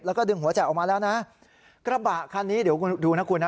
แล้วก็ดึงหัวแจกออกมาแล้วนะกระบะคันนี้เดี๋ยวคุณดูนะคุณนะ